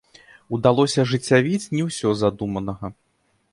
Удалося ажыццявіць не ўсё з задуманага.